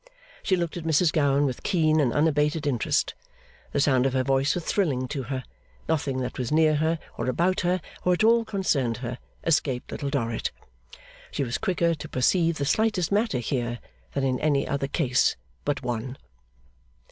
She looked at Mrs Gowan with keen and unabated interest; the sound of her voice was thrilling to her; nothing that was near her, or about her, or at all concerned her, escaped Little Dorrit. She was quicker to perceive the slightest matter here, than in any other case but one.